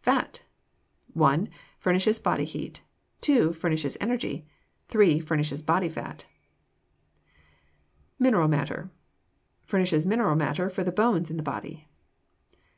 Fat 1. Furnishes body heat. 2. Furnishes energy. 3. Furnishes body fat. Mineral Matter Furnishes mineral matter for the bones in the body.